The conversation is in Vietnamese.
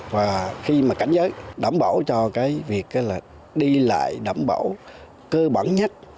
và khi mà cảnh giới đảm bảo cho cái việc là đi lại đảm bảo cơ bản nhất